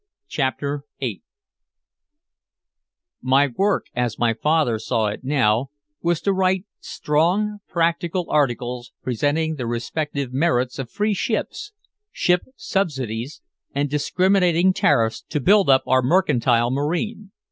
CHAPTER VIII My work, as my father saw it now, was to write "strong, practical articles" presenting the respective merits of free ships, ship subsidies and discriminating tariffs to build up our mercantile marine.